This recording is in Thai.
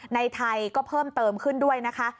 ไทยก็เพิ่มเติมขึ้นด้วยนะคะ